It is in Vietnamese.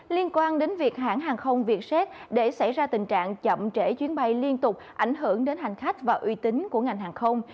liên quan đến việc hãng hàng không vietjet để xảy ra tình trạng chậm trễ chuyến bay liên tục ảnh hưởng đến hành khách và uy tín của ngành hàng không